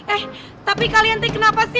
eh tapi kalian deh kenapa sih